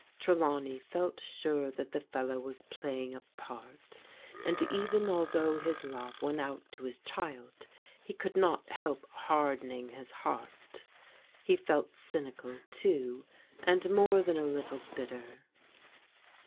" Trelawney felt sure that the fellow was playing a part, and even although his love went out to his child, he could not help hardening his heart. He felt C3mical, too, and more than a little bitter.